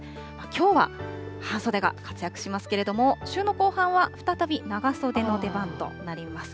きょうは半袖が活躍しますけれども、週の後半は再び長袖の出番となります。